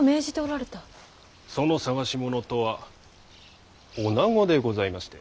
その探し物とはおなごでございまして。